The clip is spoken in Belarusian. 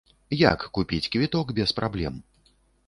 Як купіць квіток без праблем?